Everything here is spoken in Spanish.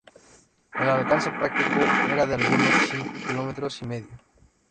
El alcance práctico era de unos cinco kilómetros y medio.